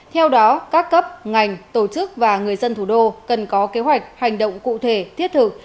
theo đó các cấp ngành tổ chức và người dân thủ đô cần có kế hoạch hành động cụ thể thiết thực